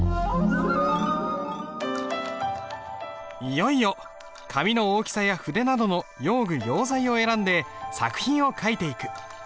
いよいよ紙の大きさや筆などの用具・用材を選んで作品を書いていく。